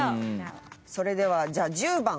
それではじゃあ１０番。